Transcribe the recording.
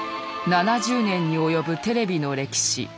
７０年に及ぶテレビの歴史。